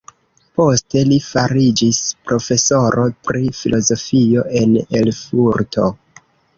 Poste li fariĝis profesoro pri filozofio en Erfurto.